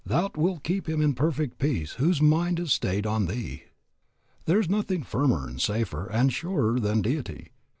"Thou wilt keep him in perfect peace whose mind is stayed on Thee." There is nothing firmer, and safer, and surer than Deity.